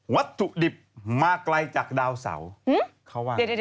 วัตถุดิบมาไกลจากดาวเสาเขาว่า